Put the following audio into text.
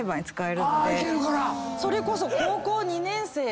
それこそ。